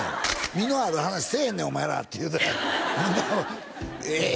「実のある話せえへんねんお前ら」って言うてたええ